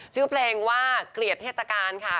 ชื่อเพลงว่าเกลียดเทศกาลค่ะ